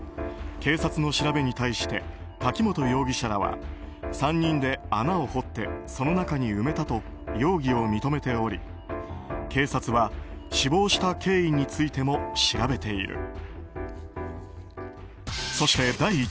警察の調べに対して柿本容疑者らは３人で穴を掘ってその中に埋めたと容疑を認めており警察は死亡した経緯についても調べている。